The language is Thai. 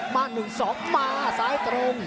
มา๑๒มาซ้ายตรง